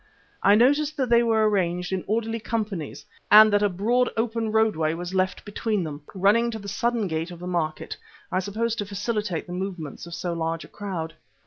I noticed that they were arranged in orderly companies and that a broad open roadway was left between them, running to the southern gate of the market, I suppose to facilitate the movements of so large a crowd.